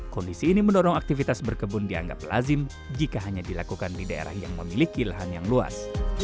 kondisi ini mendorong aktivitas berkebun dianggap lazim jika hanya dilakukan di daerah yang memiliki lahan yang luas